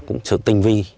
cũng sự tinh vi